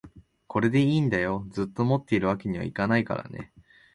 これでいいんだよ、ずっと持っているわけにはいけないからね